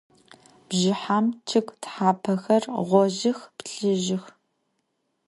Bjjıhem ççıg thapexer ğojıx, plhıjıx.